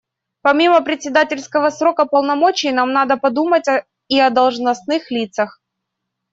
Помимо председательского срока полномочий нам надо подумать и о должностных лицах.